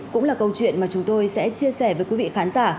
cũng là câu chuyện mà chúng tôi sẽ chia sẻ với quý vị khán giả